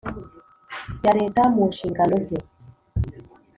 Ya leta mu nshingano ze